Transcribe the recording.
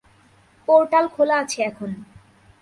Portal খোলা আছে এখন।